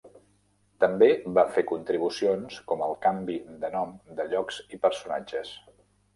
També va fer contribucions com el canvi de nom de llocs i personatges.